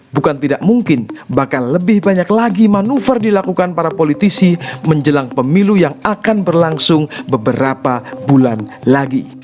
bukan tidak mungkin bakal lebih banyak lagi manuver dilakukan para politisi menjelang pemilu yang akan berlangsung beberapa bulan lagi